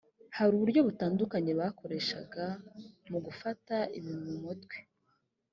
hari uburyo butandukanye bakoreshaga mu gufata ibintu mu mutwe